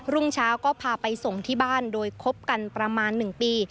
รุ่งเช้าก็พาไปส่งที่บ้านโดยคบกันประมาณ๑ปี